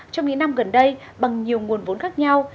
trong những năm gần đây bằng nhiều nguồn vốn khác nhau